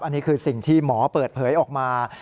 อันนี้คือสิ่งที่หมอเปิดเผยออกมา